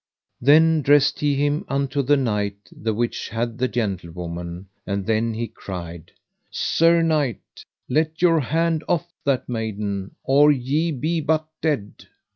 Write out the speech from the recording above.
Then dressed he him unto the knight the which had the gentlewoman, and then he cried: Sir knight, let your hand off that maiden, or ye be but dead.